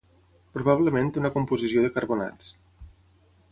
Probablement té una composició de carbonats.